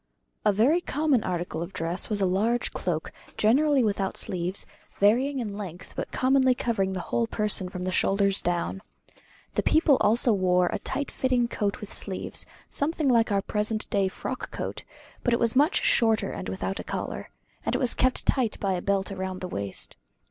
A very common article of dress was a large cloak, generally without sleeves, varying in length, but commonly covering the whole person from the shoulders down. The people also wore a tight fitting coat with sleeves, something like our present frock coat; but it was much shorter and without a collar, and it was kept tight by a belt round the waist.